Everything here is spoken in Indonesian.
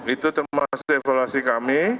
itu termasuk evaluasi kami